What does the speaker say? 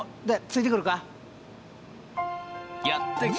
ついてくるか？